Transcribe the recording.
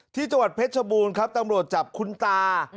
ที่จังหวัดเพชรชบูรณ์ครับตำรวจจับคุณตา